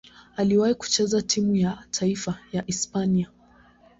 Aliwahi kucheza timu ya taifa ya Hispania.